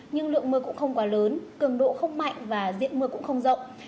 nhưng lượng mưa cũng không quá lớn cường độ không mạnh và diện mưa cũng không rộng